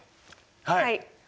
はい！